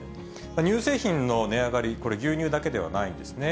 乳製品の値上がり、これ、牛乳だけではないんですね。